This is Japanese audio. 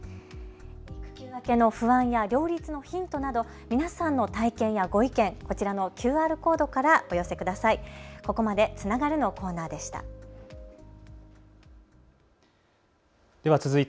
育休明けの不安が両立のヒントなど、皆さんの体験やご意見、こちらのＱＲコードからお寄せください。